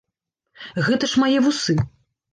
Гэта ж мае вусы!